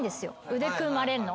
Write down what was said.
腕組まれんの。